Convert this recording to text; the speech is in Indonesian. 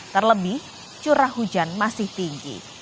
terlebih curah hujan masih tinggi